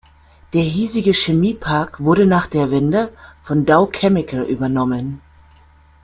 Der hiesige Chemiepark wurde nach der Wende von Dow Chemical übernommen.